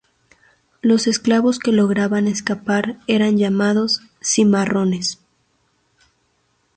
Los esclavos que lograban escapar eran llamados "cimarrones".